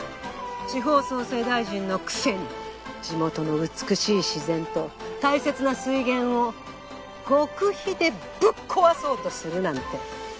地方創生大臣のくせに地元の美しい自然と大切な水源を極秘でぶっ壊そうとするなんて。